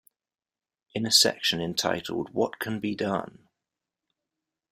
In a section entitled What Can Be Done?